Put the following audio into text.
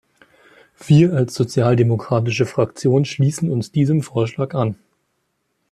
Wir als Sozialdemokratische Fraktion schließen uns diesem Vorschlag an.